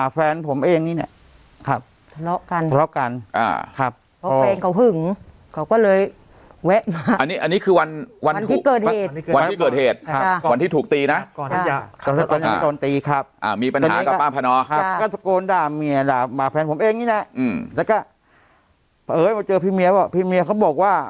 แฟนผมเองนี่แหละแล้วก็เผอดเจอพี่เมียว่าพี่เมียเขาบอกว่า